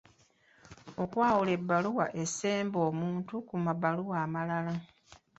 Okwawula ebbaluwa esemba omuntu ku mabaluwa amalala.